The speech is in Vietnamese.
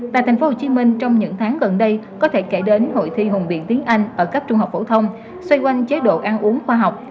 tại tp hcm trong những tháng gần đây có thể kể đến hội thi hùng biện tiếng anh ở cấp trung học phổ thông xoay quanh chế độ ăn uống khoa học